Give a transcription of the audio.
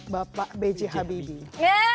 bapak beji habibie